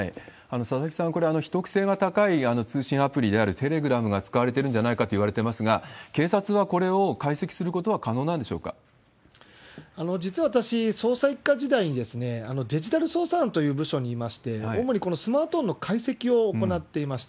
佐々木さん、これ、秘匿性が高い通信アプリであるテレグラムが使われているんじゃないかといわれてますが、警察はこれを解析することは可能なんでし実は私、捜査一課時代にデジタル捜査班という部署にいまして、主にこのスマートフォンの解析を行っていました。